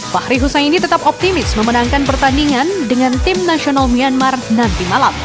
fahri husaini tetap optimis memenangkan pertandingan dengan tim nasional myanmar nanti malam